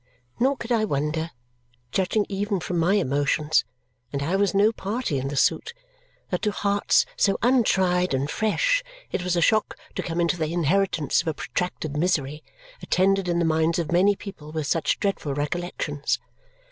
Nor could I wonder, judging even from my emotions, and I was no party in the suit, that to hearts so untried and fresh it was a shock to come into the inheritance of a protracted misery, attended in the minds of many people with such dreadful recollections.